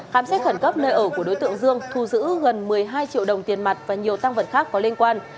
khám xét khẩn cấp nơi ở của đối tượng dương thu giữ gần một mươi hai triệu đồng tiền mặt và nhiều tăng vật khác có liên quan